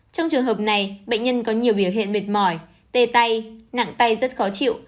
trong trường hợp này bệnh nhân có nhiều biểu hiện mệt mỏi tê tay nặng tay rất khó chịu